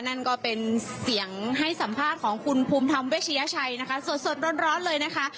นั่นก็เป็นเสียงให้สัมภาษณ์ของคุณภูมิธรรมเวชยชัยนะคะสดร้อนเลยนะคะ